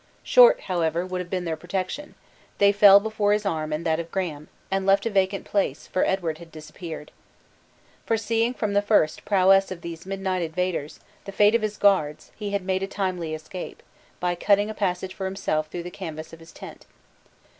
Short, however, would have been their protection; they fell before his arm and that of Graham, and left a vacant place, for Edward had disappeared. Foreseeing from the first prowess of these midnight invaders, the fate of his guards, he had made a timely escape, by cutting a passage for himself through the canvas of his tent.